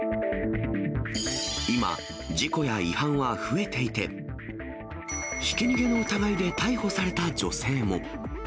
今、事故や違反は増えていて、ひき逃げの疑いで逮捕された女性も。